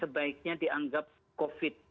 sebaiknya dianggap covid